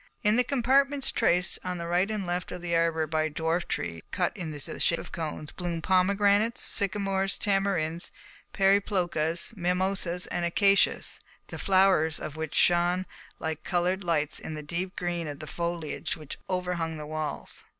In the compartments traced on the right and on the left of the arbour by dwarf trees cut into the shape of cones, bloomed pomegranates, sycamores, tamarinds, periplocas, mimosas, and acacias, the flowers of which shone like coloured lights on the deep green of the foliage which overhung the walls.